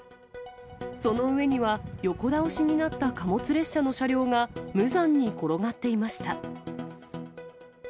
その上には横倒しになった貨物列車の車両が、無残に転がっていました。